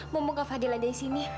pembuka fadil ada di sini